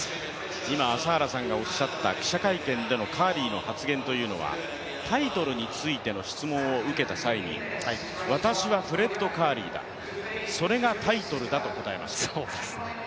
今朝原さんがおっしゃった記者会見でのカーリーの発言というのはタイトルについての質問を受けた際に、私はフレッド・カーリーだ、それがタイトルだと答えました。